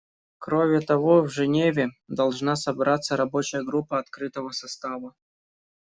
Кроме того, в Женеве должна собраться рабочая группа открытого состава.